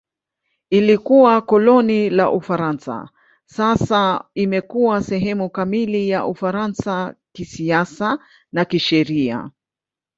Ilikuwa koloni la Ufaransa; sasa imekuwa sehemu kamili ya Ufaransa kisiasa na kisheria.